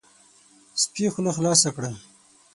سپي خوله خلاصه کړه،